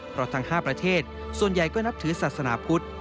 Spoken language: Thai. เพราะทั้ง๕ประเทศส่วนใหญ่ก็นับถือศาสนาพุทธ